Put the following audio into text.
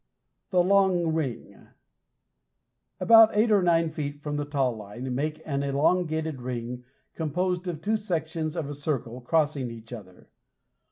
THE LONG RING About eight or nine feet from the taw line make an elongated ring, composed of two sections of a circle, crossing each other.